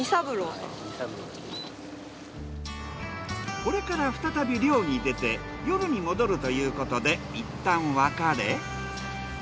これから再び漁に出て夜に戻るということでいったん別れ。